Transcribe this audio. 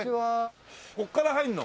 ここから入るの？